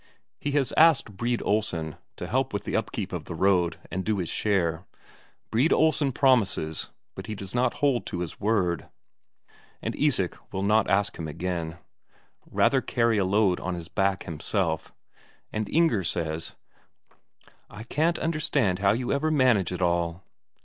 He has asked Brede Olsen to help with the upkeep of the road, and do his share. Brede Olsen promises, but does not hold to his word. And Isak will not ask him again. Rather carry a load on his back himself. And Inger says: "I can't understand how you ever manage it all."